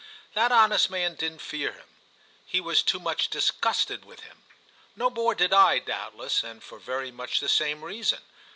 That honest man didn't fear him—he was too much disgusted with him. No more did I, doubtless, and for very much the same reason.